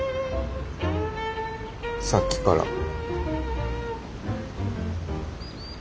さっきから。